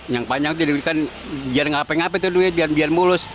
yang panjang tuh duit kan biar ngapain ngapain tuh duit biar mulus